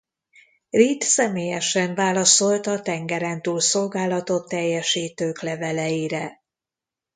Reed személyesen válaszolt a tengerentúl szolgálatot teljesítők leveleire.